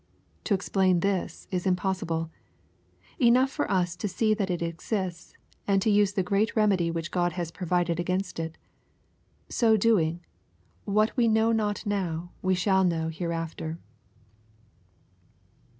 To explain this is impossible. Enough for us to see that it exists, and to use the great remedy which God has provided against it. So doing, " what we know not now, we shall know hereafter."